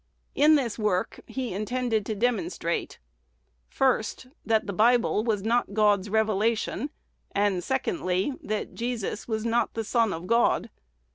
In this work he intended to demonstrate, "First, that the Bible was not God's revelation; and, "Secondly, that Jesus was not the Son of God."